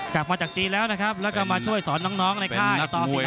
กลับมาจากจีนแล้วนะครับแล้วก็มาช่วยสอนน้องในค่ายต่อ๑๕